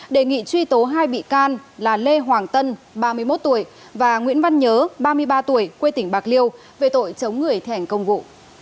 đề nghị truy tố hai bị can là lê hoàng tân ba mươi một tuổi và nguyễn văn nhớ ba mươi ba tuổi quê tỉnh bạc liêu về tội chống người thi hành công vụ